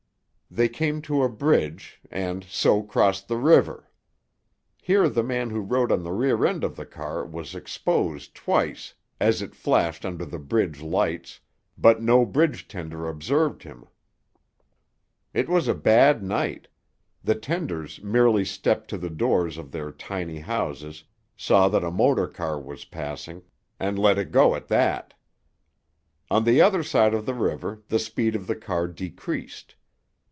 They came to a bridge, and so crossed the river. Here the man who rode on the rear end of the car was exposed twice as it flashed under the bridge lights, but no bridge tender observed him. It was a bad night—the tenders merely stepped to the doors of their tiny houses, saw that a motor car was passing, and let it go at that. On the other side of the river, the speed of the car decreased.